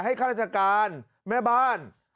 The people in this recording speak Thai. ให้ข้ารัฐกาลแม่บ้าน